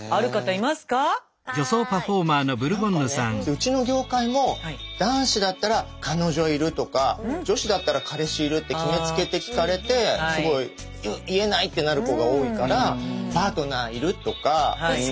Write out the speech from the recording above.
うちの業界も男子だったら彼女いるとか女子だったら彼氏いるって決めつけて聞かれてすごい「うっ言えない」ってなる子が多いから確かに。